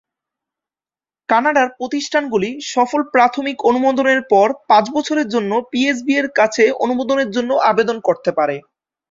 কানাডার প্রতিষ্ঠানগুলি সফল প্রাথমিক অনুমোদনের পরে, পাঁচ বছরের জন্য পিএসবি-এর কাছে অনুমোদনের জন্য আবেদন করতে পারে।